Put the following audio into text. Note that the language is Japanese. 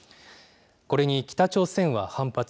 これに北朝鮮は反発。